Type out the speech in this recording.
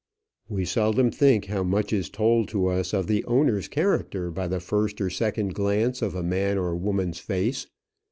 We seldom think how much is told to us of the owner's character by the first or second glance of a man or woman's face.